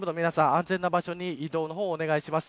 安全な場所に移動をお願いします。